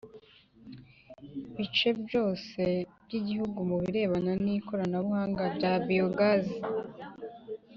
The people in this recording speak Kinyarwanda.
bice byose by Igihugu mu birebana n ikoranabuhanga rya Biogaz